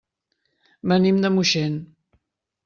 Venim de Moixent.